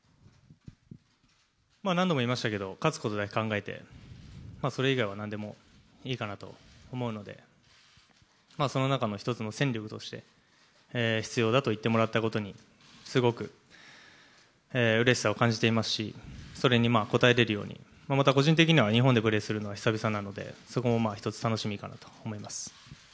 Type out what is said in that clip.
何度も言いましたけれども、勝つことだけ考えて、それ以外はなんでもいいかなと思うので、その中の一つの戦力として、必要だと言ってもらったことにすごくうれしさを感じていますし、それに応えれるように、また個人的には日本でプレーするのは久々なので、そこもまあひとつ楽しみかなと思います。